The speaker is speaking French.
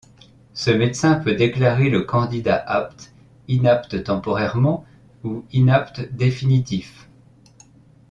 Ce médecin peut déclarer le candidat apte, inapte temporairement ou inapte définitif.